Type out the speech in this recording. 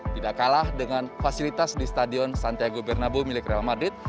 tidak kalah dengan fasilitas di stadion santiago bernabo milik real madrid